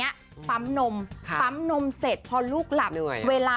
อันดูนะ